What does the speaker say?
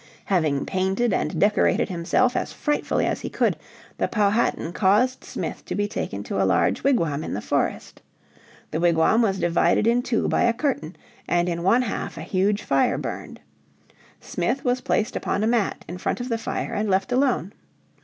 Having painted and decorated himself as frightfully as he could, the Powhatan caused Smith to be taken to a large wigwam in the forest. The wigwam was divided in two by a curtain and in one half a huge fire burned. Smith was placed upon a mat in front of the fire and left alone.